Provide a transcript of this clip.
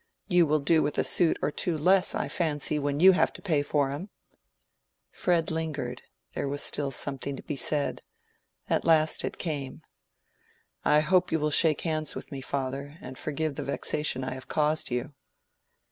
You will do with a suit or two less, I fancy, when you have to pay for 'em." Fred lingered; there was still something to be said. At last it came. "I hope you will shake hands with me, father, and forgive me the vexation I have caused you."